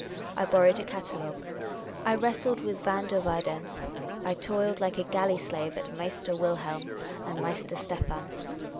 I borrowed a catalogue. I wrestled with Van der Weyden ; I toiled like a galley slave at Meister Wilhelm and Meister Stephan.